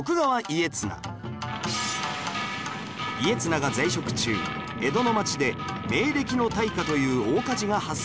家綱が在職中江戸の街で明暦の大火という大火事が発生